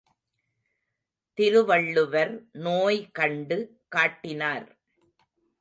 திருவள்ளுவர் நோய் கண்டு காட்டினார்.